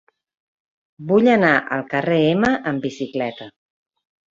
Vull anar al carrer Ema amb bicicleta.